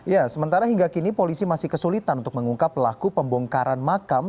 ya sementara hingga kini polisi masih kesulitan untuk mengungkap pelaku pembongkaran makam